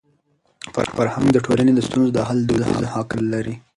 فرهنګ د ټولني د ستونزو د حل دودیز عقل لري.